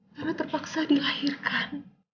karena terpaksa dilahirkan